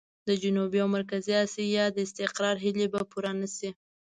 د جنوبي او مرکزي اسيا د استقرار هيلې به پوره نه شي.